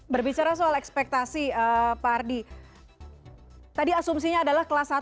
berbicara soal ekspektasi pak ardi tadi asumsinya adalah kelas satu